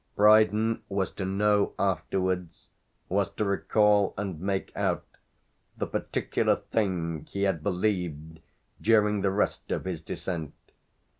Brydon was to know afterwards, was to recall and make out, the particular thing he had believed during the rest of his descent.